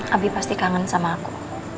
abi pasti kangen sama aku